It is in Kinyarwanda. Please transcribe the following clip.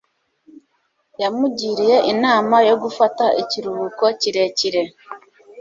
yamugiriye inama yo gufata ikiruhuko kirekire